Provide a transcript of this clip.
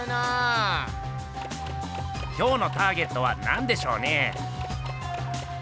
今日のターゲットはなんでしょうね？